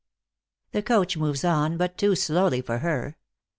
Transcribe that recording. The coach moves on, but too slowly for her.